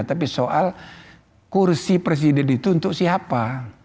tapi soal kursi presiden itu untuk siapa